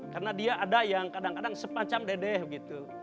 karena dia ada yang kadang kadang sepanjang dedek gitu